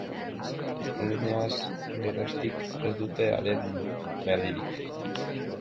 Astelehenaz geroztik ez dute haren berririk.